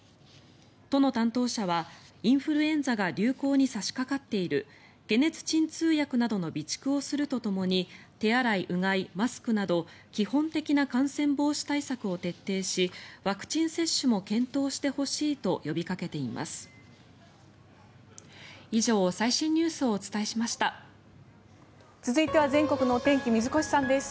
都の担当者は、インフルエンザが流行に差しかかっている解熱鎮痛薬などの備蓄をするとともに手洗い、うがい、マスクなど基本的な感染防止対策を徹底しワクチン接種も検討してほしいと呼びかけています。